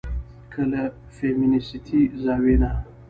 که له فيمنستي زاويې نه